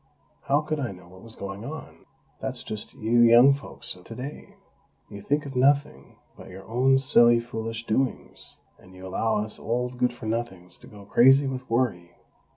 _ How could I know what was going on? That's just you young folks of today. You think of nothing but your own silly, foolish doings, and you allow us old good for nothings to go crazy with worry!!"